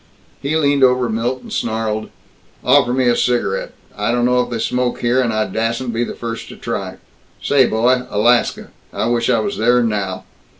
He leaned over Milt and snarled, "Offer me a cigarette. I don't know if they smoke here, and I dassn't be the first to try. Say, boy, Alaska I wish I was there now!